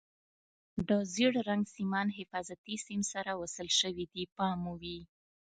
د زیړ رنګ سیمان حفاظتي سیم سره وصل شوي دي پام مو وي.